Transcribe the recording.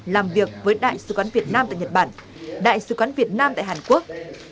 làm việc với đại sứ quán việt nam tại nhật bản đại sứ quán việt nam tại hàn quốc